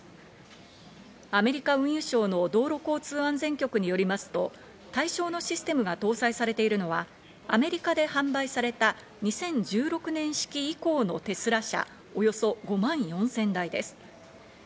アメリカ運輸省の道路交通安全局によりますと、対象のシステムが搭載されているのはアメリカで販売された２０１６年式以降のテス